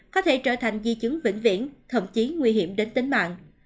có thể trở thành di chứng vĩnh viễn thậm chí nguy hiểm đến tính mạng